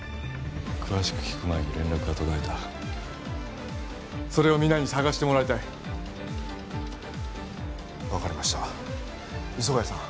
詳しく聞く前に連絡が途絶えたそれをみんなに捜してもらいたい分かりました磯ヶ谷さん